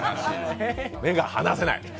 目が離せない！